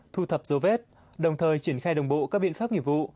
thu thập dấu vết đồng thời triển khai đồng bộ các biện pháp nghiệp vụ